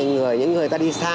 những người ta đi xa